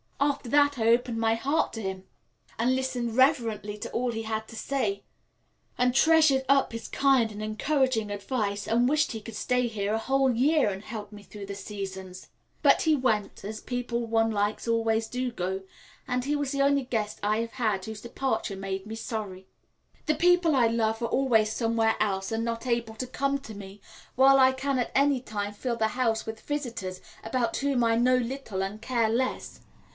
After that I opened my heart to him, and listened reverently to all he had to say, and treasured up his kind and encouraging advice, and wished he could stay here a whole year and help me through the seasons. But he went, as people one likes always do go, and he was the only guest I have had whose departure made me sorry. The people I love are always somewhere else and not able to come to me, while I can at any time fill the house with visitors about whom I know little and care less.